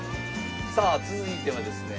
さあ続いてはですね。